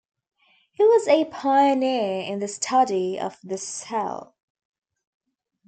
He was a pioneer in the study of the cell.